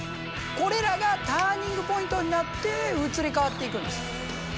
これらがターニングポイントになって移り変わっていくんです！